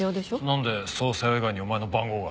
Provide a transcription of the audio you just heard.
なんで捜査用以外にお前の番号が？